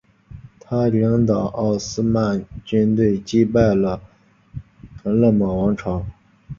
他领导奥斯曼军队击败了尕勒莽王朝。